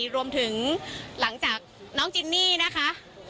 รวมถึงหลังจากน้องจินนี่นะคะ